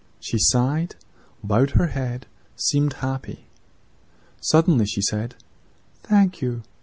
She sighed, bent her head, seemed happy. "Suddenly she said, 'Thank you!'